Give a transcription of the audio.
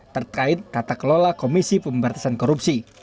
terkait tata kelola komisi pemberantasan korupsi